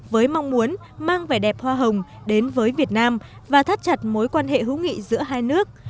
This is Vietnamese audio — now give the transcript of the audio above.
với mong muốn mang vẻ đẹp hoa hồng đến với việt nam và thắt chặt mối quan hệ hữu nghị giữa hai nước